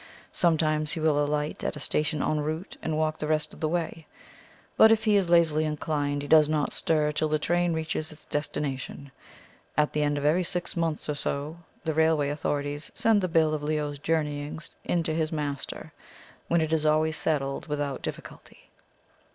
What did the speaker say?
Sometimes he will alight at a station en route, and walk the rest of the way. But if he is lazily inclined, he does not stir till the train reaches its destination. At the end of every six months or so, the railway authorities send the bill of Leo's journeyings in to his master, when it is always settled without difficulty."